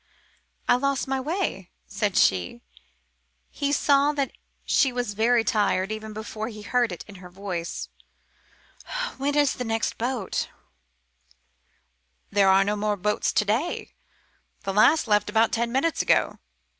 "I lost my way," said she. He saw that she was very tired, even before he heard it in her voice. "When is the next boat?" "There are no more boats to day. The last left about ten minutes ago."